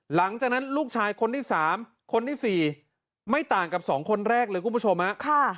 หลังจากนั้นลูกชายคนที่๓คนที่๔ไม่ต่างกับสองคนแรกเลยคุณผู้ชมฮะ